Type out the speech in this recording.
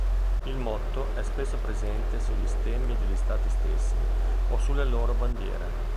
Il motto è spesso presente sugli stemmi degli stati stessi o sulle loro bandiere.